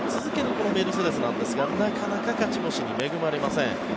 このメルセデスですがなかなか勝ち星に恵まれません。